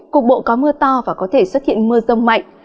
cục bộ có mưa to và có thể xuất hiện mưa rông mạnh